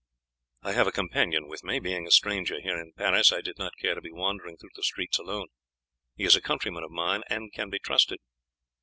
"I have a companion with me; being a stranger here in Paris, I did not care to be wandering through the streets alone. He is a countryman of mine, and can be trusted."